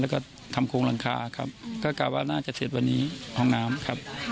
แล้วก็ทำโครงหลังคาครับก็กล่าวว่าน่าจะเสร็จวันนี้ห้องน้ำครับ